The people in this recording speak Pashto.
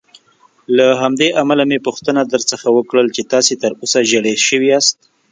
له همدې امله مې پوښتنه درڅخه وکړل چې تاسې تراوسه ژېړی شوي یاست.